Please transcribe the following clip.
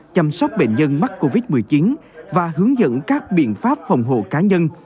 chăm sóc bệnh nhân mắc covid một mươi chín và hướng dẫn các biện pháp phòng hộ cá nhân